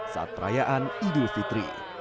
saat perayaan idul fitri